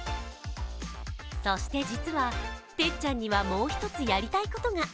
そして、実はてっちゃんにはもう１つやりたいことが。